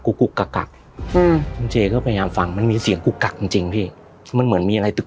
คุณเจ๊ก็พยายามฟังมันมีเสียงกุกจริงพี่มันเหมือนมีอะไรตรึก